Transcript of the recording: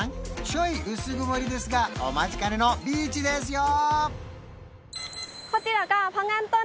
ちょい薄曇りですがお待ちかねのビーチですよ